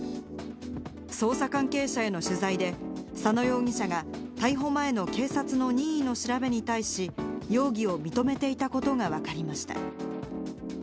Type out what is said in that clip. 捜査関係者への取材で、佐野容疑者が、逮捕前の警察の任意の調べに対し、容疑を認めていたことが分かりました。